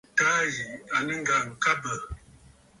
Taà yì à nɨ̂ ŋ̀gàŋkabə̂.